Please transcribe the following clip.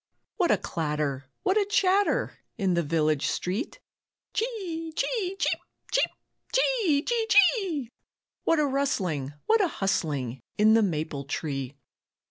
What a clatter, what a chatter In the village street. "Chee, chee, cheep, cheep, chee, chee, chee!" What a rustling, what a hustling In the maple tree.